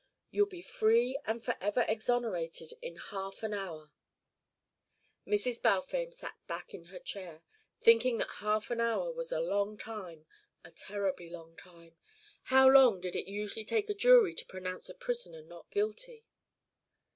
"You'll be free and for ever exonerated in half an hour." Mrs. Balfame sank back in her chair, thinking that half an hour was a long time, a terribly long time. How long did it usually take a jury to pronounce a prisoner not guilty?